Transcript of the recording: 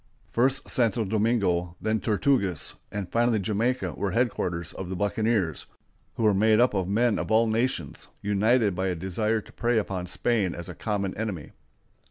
First Santo Domingo, then Tortugas, and finally Jamaica were headquarters of the buccaneers, who were made up of men of all nations, united by a desire to prey upon Spain as a common enemy.